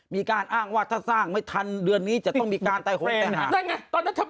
มีการอ้างว่าถ้าสร้างไม่ทันเดือนนี้จะต้องมีการตายหงแต่งงาน